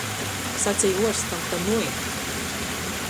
Saceju uorstam, ka nui.